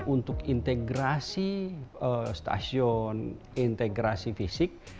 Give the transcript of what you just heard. untuk integrasi stasiun integrasi fisik